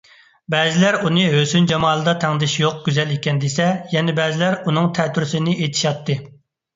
بەزىلەر ئۇنى ھۆسن - جامالدا تەڭدېشى يوق گۈزەل ئىكەن دېسە، يەنە بەزىلەر ئۇنىڭ تەتۈرىسىنى ئېيتىشاتتى.